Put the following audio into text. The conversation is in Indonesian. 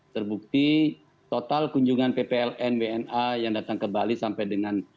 terbukti total kunjungan ppln wna yang datang ke bali sampai dengan